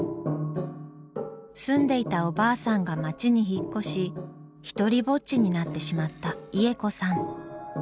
住んでいたおばあさんが町に引っ越しひとりぼっちになってしまったイエコさん。